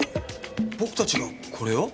僕たちがこれを？